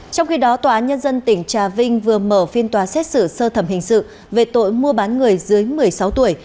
trong khi đó tòa nhân dân tỉnh trà vinh vừa mở phiên tòa xét xử sơ thẩm hình sự về tội mua bán người dưới một mươi sáu tuổi